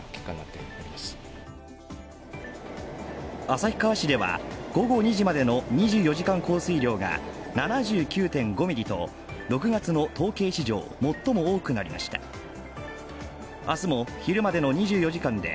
旭川市では、午後２時までの２４時間降水量が７９．５ミリと６月の統計史上最も多くなりました明日も昼までの２４時間で